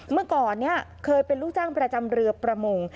เมื่อก่อนเนี่ยเคยเป็นลูกจ้างประจำเรือประมง